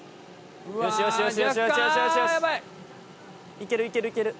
「いけるいけるいける」